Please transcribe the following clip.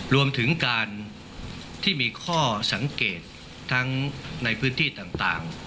รวมถึงการที่มีข้อสังเกตทั้งในพื้นที่ต่าง